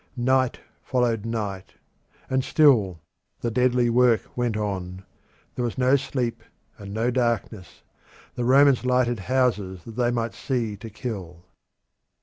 Night followed night, and still the deadly work went on; there was no sleep and no darkness; the Romans lighted houses that they might see to kill.